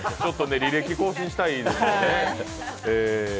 履歴更新したいですよね。